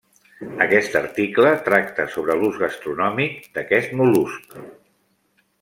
Aquest article tracta sobre l'ús gastronòmic d'aquest mol·lusc.